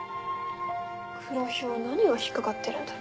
黒ヒョウ何が引っ掛かってるんだろ？